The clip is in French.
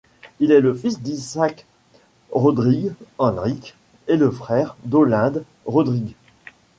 Il est le fils d'Isaac Rodrigues-Henriques et le frère d'Olinde Rodrigues.